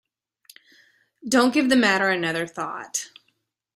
Don't give the matter another thought.